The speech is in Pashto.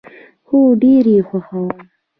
هو، ډیر یی خوښوم